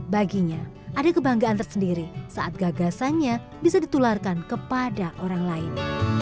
baginya ada kebanggaan tersendiri saat gagasannya bisa ditularkan kepada orang lain